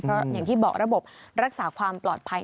เพราะอย่างที่บอกระบบรักษาความปลอดภัย